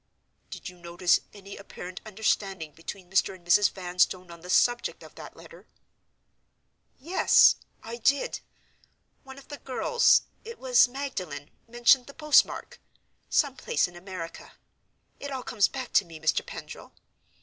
"Did you notice any apparent understanding between Mr. and Mrs. Vanstone on the subject of that letter?" "Yes: I did. One of the girls—it was Magdalen—mentioned the post mark; some place in America. It all comes back to me, Mr. Pendril.